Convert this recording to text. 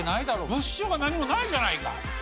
物証が何もないじゃないか。